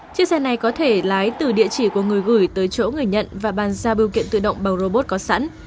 chiếc xe này có thể lái từ địa chỉ của người gửi tới chỗ người nhận và bàn ra biêu kiện tự động bằng robot có sẵn